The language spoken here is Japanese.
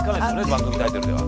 番組タイトルでは。